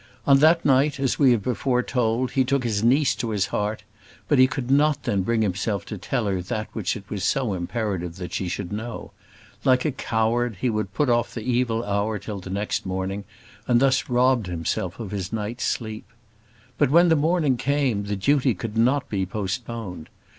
On that night, as we have before told, he took his niece to his heart; but he could not then bring himself to tell her that which it was so imperative that she should know. Like a coward, he would put off the evil hour till the next morning, and thus robbed himself of his night's sleep. But when the morning came the duty could not be postponed.